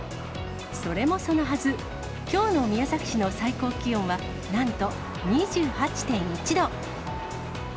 それもそのはず、きょうの宮崎市の最高気温は、なんと２８．１度。